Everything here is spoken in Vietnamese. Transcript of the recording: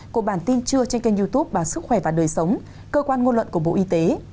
của bản tin trưa trên kênh youtube báo sức khỏe và đời sống cơ quan ngôn luận của bộ y tế